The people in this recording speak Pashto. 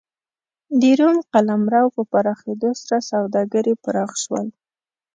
د روم قلمرو په پراخېدو سره سوداګري پراخ شول.